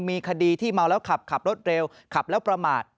มีคดีที่เมาแล้วขับขับรถเร็วขับแล้วประมาท